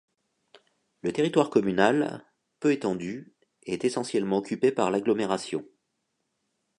Le territoire communal, peu étendu, est essentiellement occupé par l'agglomération.